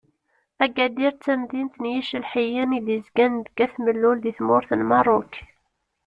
Agadir d tamdint n yicelḥiyen i d-yezgan deg At Mellul di tmurt n Merruk.